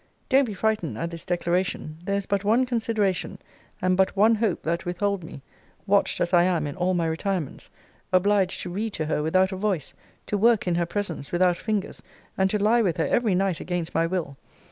Don't be frightened at this declaration. There is but one consideration, and but one hope, that withhold me, watched as I am in all my retirements; obliged to read to her without a voice; to work in her presence without fingers; and to lie with her every night against my will.